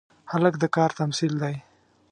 هلک د کار تمثیل دی.